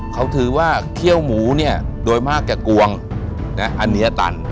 เขาถือว่าเขี้ยวหมูเนี่ยโดยมากแก่กวงนะอันนี้ตัน